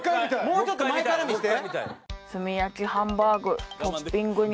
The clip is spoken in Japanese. もうちょっと前から見せて。